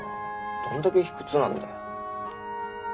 どんだけ卑屈なんだよ。